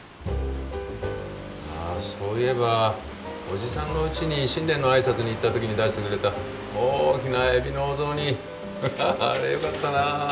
あそういえばおじさんのうちに新年の挨拶に行った時に出してくれた大きなエビのお雑煮あれよかったなあ。